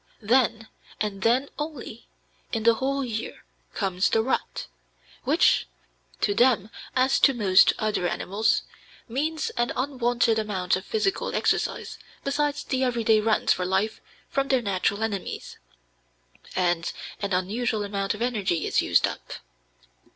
Then, and then only, in the whole year, comes the rut, which, to them as to most other animals, means an unwonted amount of physical exercise besides the everyday runs for life from their natural enemies, and an unusual amount of energy is used up.